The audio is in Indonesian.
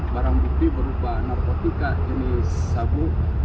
barang bukti berupa narkotika jenis sabu